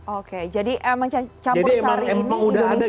oke jadi emang campur sari ini indonesia banget ya